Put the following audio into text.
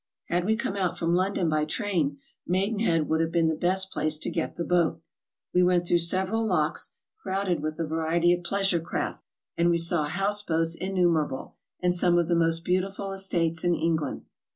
Had we come out from London by train. Maidenhead would have been the best place to get the boat. We went throug'h several locks, crowded with a variety of pleasure craft, and we saw house boats innum'erable, and some of the most beautiful estates in England.